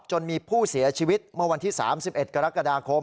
จนมีผู้เสียชีวิตเมื่อวันที่๓๑กรกฎาคม